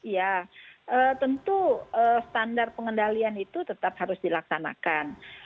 ya tentu standar pengendalian itu tetap harus dilaksanakan